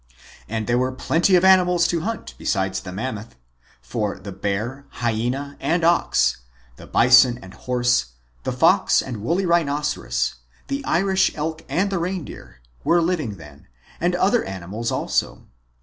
And there were plenty of animals to hunt besides the Mam moth. For the bear, hyena, and ox, the bison and MAMMOTHS AND MASTODONS 117 horse, the fox and woolly rhinoceros, the Irish elk and the reindeer, were living then, and other animals, also.